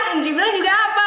tuh kan ndri bilang juga apa